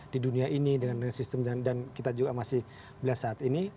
di dunia ini dengan sistem dan kita juga masih belas saat ini